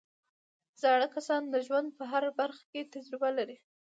زاړه کسان د ژوند په هره برخه کې تجربه لري